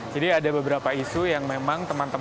jadi ada beberapa isu yang memang bergantung